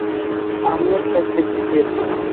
আমিও ক্ষেত দেখতে চেয়েছিলাম।